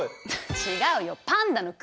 違うよパンダの国！